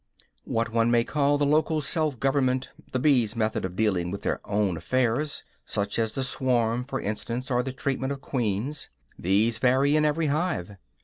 What one may call the local self government, the bees' methods of dealing with their own affairs such as the swarm, for instance, or the treatment of queens these vary in every hive.